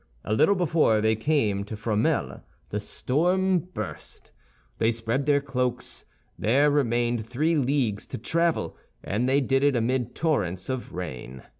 A little before they came to Fromelles the storm burst. They spread their cloaks. There remained three leagues to travel, and they did it amid torrents of rain.